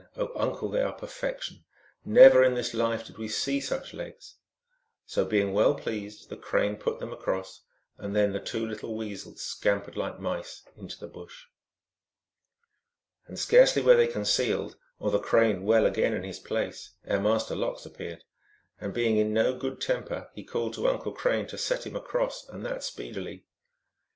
oh, uncle, they are perfection. Never in this life did we see such legs !" So being well pleased, the Crane put them across, and then the two little Weasels scam pered like mice into the bush. And scarcely were they concealed, or the Crane well again in his place, ere Master Lox appeared. And being in no good temper he called to Uncle Crane to set him across, and that speedily.